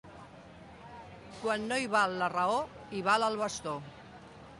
Quan no hi val la raó hi val el bastó.